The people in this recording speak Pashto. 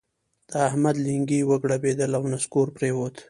د احمد لېنګي وګړبېدل او نسکور پرېوت.